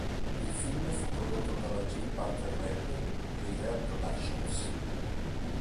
Il film fu prodotto dalla J. Parker Read Jr. Productions.